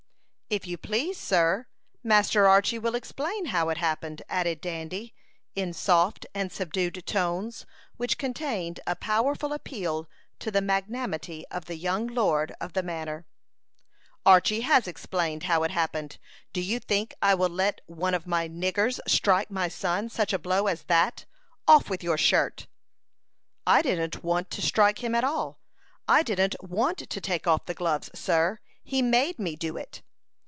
"If you please, sir, Master Archy will explain how it happened," added Dandy, in soft and subdued tones, which contained a powerful appeal to the magnanimity of the young lord of the manor. "Archy has explained how it happened. Do you think I will let one of my niggers strike my son such a blow as that? Off with your shirt!" "I didn't want to strike him at all. I didn't want to take off the gloves, sir. He made me do it."